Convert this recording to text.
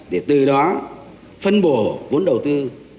để từ đó phân bổ vốn đầu tư